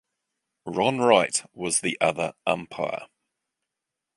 Ron Wright was the other umpire.